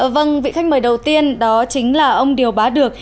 vâng vị khách mời đầu tiên đó chính là ông điều bá được